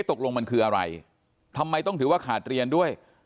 ตกลงมันคืออะไรทำไมต้องถือว่าขาดเรียนด้วย